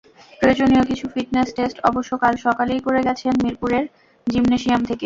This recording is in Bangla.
প্রয়োজনীয় কিছু ফিটনেস টেস্ট অবশ্য কাল সকালেই করে গেছেন মিরপুরের জিমনেসিয়াম থেকে।